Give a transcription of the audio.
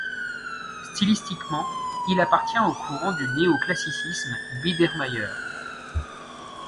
Stylistiquement, il appartient au courant du néo-classicisme Biedermeier.